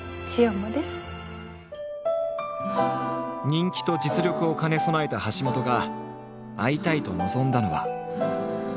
人気と実力を兼ね備えた橋本が会いたいと望んだのは。